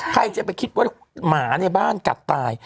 ใครจะไปคิดว่าหมาในบ้านกัดตาย